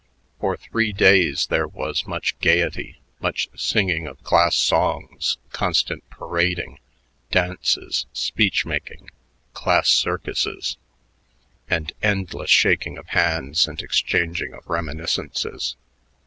For three days there was much gaiety, much singing of class songs, constant parading, dances, speech making, class circuses, and endless shaking of hands and exchanging of reminiscences.